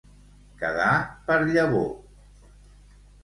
Quedar per llavor.